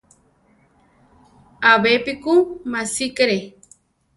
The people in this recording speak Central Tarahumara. Abepi ku másikere.